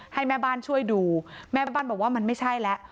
ให้แม่บ้านช่วยดูแม่แม่บ้านบอกว่ามันไม่ใช่แล้ว